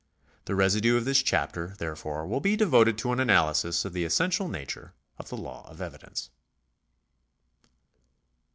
The residue of this chapter, therefore, will be devoted to an analysis of the essential nature of the law of evidence.